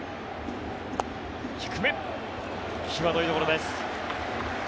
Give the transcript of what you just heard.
低め、際どいところです。